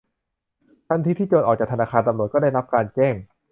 ทันทีที่โจรออกจากธนาคาร ตำรวจก็ได้รับการแจ้ง